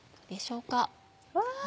うわ！